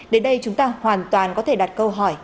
đến đây chúng ta hoàn toàn có thể đặt câu hỏi